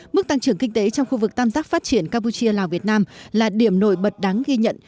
mức tăng trưởng kinh tế trong khu vực tam giác phát triển campuchia lào việt nam là điểm nổi bật đáng ghi nhận